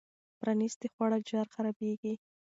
پرانیستي خواړه ژر خرابېږي.